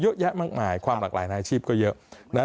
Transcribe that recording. เยอะแยะมากมายความหลากหลายในอาชีพก็เยอะนะ